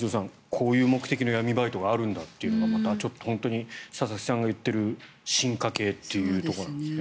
こういう目的の闇バイトがあるんだというのは佐々木さんが言っている進化系というところなんですね。